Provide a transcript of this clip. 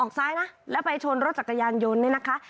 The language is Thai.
ซ้ายนะแล้วไปชนรถจักรยานยนต์เนี่ยนะคะ